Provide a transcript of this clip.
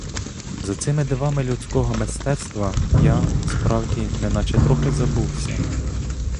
За цими дивами людського мистецтва я, справді, неначе трохи забувся.